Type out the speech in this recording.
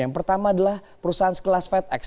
yang pertama adalah perusahaan sekelas fedex